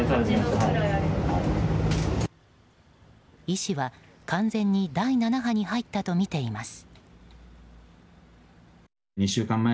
医師は完全に第７波に入ったとみています。